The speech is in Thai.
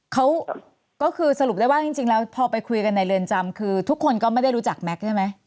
เขาก็คือสรุปได้ว่าจริงแล้วพอไปคุยกันในเรือนจำคือทุกคนก็ไม่ได้รู้จักแก๊กใช่ไหม